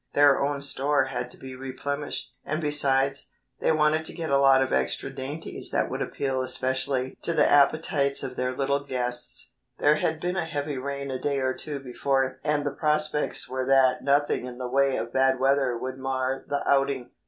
Their own store had to be replenished, and besides, they wanted to get a lot of extra dainties that would appeal especially to the appetites of their little guests. There had been a heavy rain a day or two before and the prospects were that nothing in the way of bad weather would mar the outing.